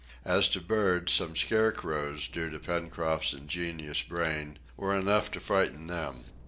As to birds, some scarecrows, due to Pencroft's ingenious brain, were enough to frighten them.